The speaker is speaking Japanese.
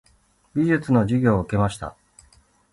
美術の授業を受けました。